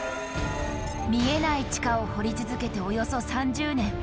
見えない地下を掘り続けておよそ３０年。